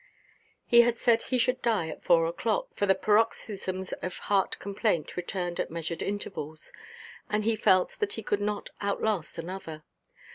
He had said he should die at four oʼclock, for the paroxysms of heart–complaint returned at measured intervals, and he felt that he could not outlast another.